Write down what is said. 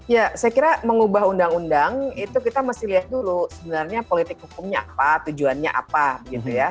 ya saya kira mengubah undang undang itu kita mesti lihat dulu sebenarnya politik hukumnya apa tujuannya apa gitu ya